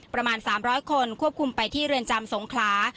ประมาณ๓๐๐คนควบคุมไปที่เรือนจำสงขลา